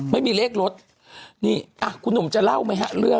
ไม่มีเลขรถนี่อ่ะคุณหนุ่มจะเล่าไหมฮะเรื่อง